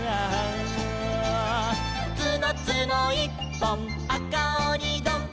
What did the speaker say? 「つのつのいっぽんあかおにどん」